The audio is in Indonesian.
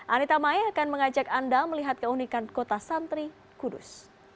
anita mai akan mengajak anda melihat keunikan kota santri kudus